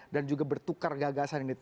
dan juga bertukar gagasan ini